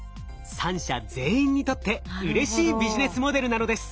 ３者全員にとってうれしいビジネスモデルなのです。